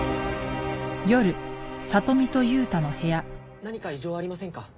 何か異常はありませんか？